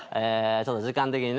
ちょっと時間的にね